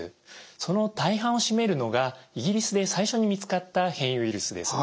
その大半を占めるのがイギリスで最初に見つかった変異ウイルスです。